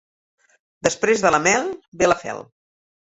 Després de la mel, ve la fel